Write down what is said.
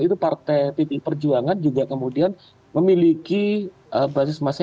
itu partai pdi perjuangan juga kemudian memiliki basis masa